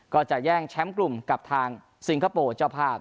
ก็จะแย่งแชมป์กลุ่มกับทางสิงคโปร์เจ้าภาพ